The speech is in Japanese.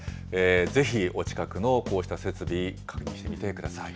ぜひお近くのこうした設備、確認してみてください。